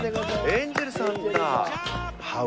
エンジェルさんだ。